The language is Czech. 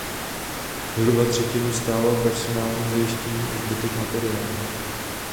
Zhruba třetinu stálo personální zajištění a zbytek materiál.